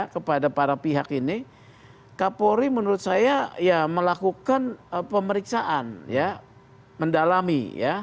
kepada para pihak ini kapolri menurut saya melakukan pemeriksaan mendalami